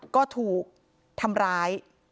ก็ถูกทำร้าย